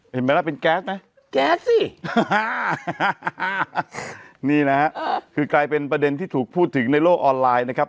เห็นไหมล่ะเป็นแก๊สไหมแก๊สสินี่นะฮะคือกลายเป็นประเด็นที่ถูกพูดถึงในโลกออนไลน์นะครับ